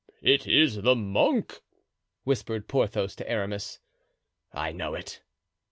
"It is the monk," whispered Porthos to Aramis. "I know it."